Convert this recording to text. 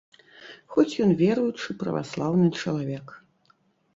Хоць ён веруючы праваслаўны чалавек.